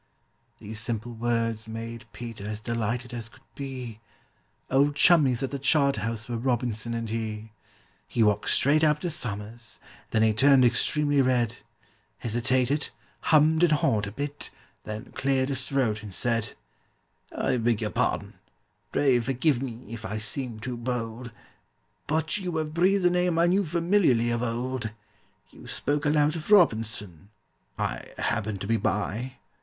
These simple words made PETER as delighted as could be, Old chummies at the Charterhouse were ROBINSON and he! He walked straight up to SOMERS, then he turned extremely red, Hesitated, hummed and hawed a bit, then cleared his throat, and said: "I beg your pardon—pray forgive me if I seem too bold, But you have breathed a name I knew familiarly of old. You spoke aloud of ROBINSON—I happened to be by.